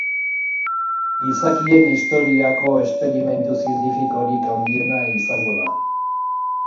Gizakien historiako esperimentu zientifikorin handiena izango da.